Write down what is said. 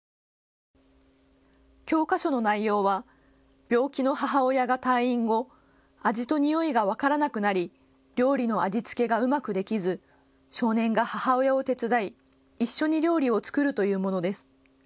教科書の内容は病気の母親が退院後、味と匂いが分からなくなり料理の味付けがうまくできず少年が母親を手伝い一緒に料理を作るというものです。